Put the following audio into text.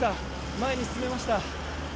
前に進みました。